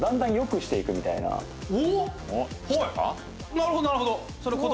なるほどなるほど。